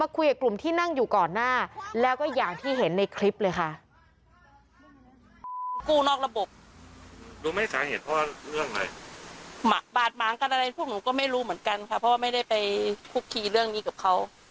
คุยกับกลุ่มที่นั่งอยู่ก่อนหน้าแล้วก็อย่างที่เห็นในคลิปเลยค่ะ